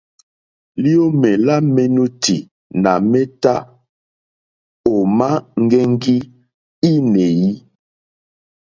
Liomè la menuti nà meta òma ŋgɛŋgi inèi.